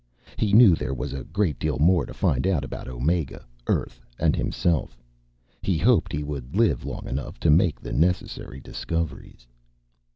He knew there was a great deal more to find out about Omega, Earth, and himself. He hoped he would live long enough to make the necessary discoveries.